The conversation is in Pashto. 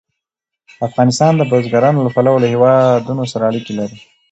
افغانستان د بزګانو له پلوه له هېوادونو سره اړیکې لري.